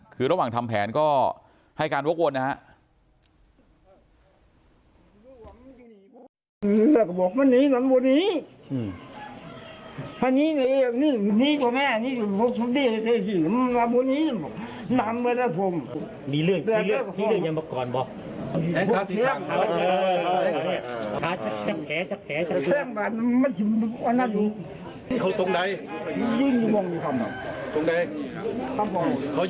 คือระหว่างทำแผนก็ให้การวกวนนะครับ